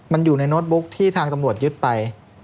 มันอยู่ในโน้ตบุ๊กที่ทางตำรวจยึดไป